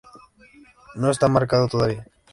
No está marcado todavía.